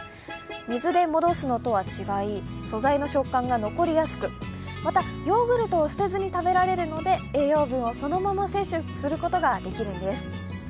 水で戻すのとは違い素材の食感が残りやすくまた、ヨーグルトを捨てずに食べられるので、栄養分をそのまま摂取することができるんです。